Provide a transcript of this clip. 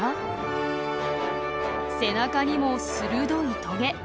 背中にも鋭いトゲ。